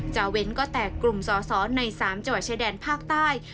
จะเว้นก็แต่กลุ่มสอใน๓จวาชดแดนภาคใต้